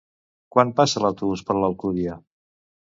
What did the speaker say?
Quan passa l'autobús per l'Alcúdia?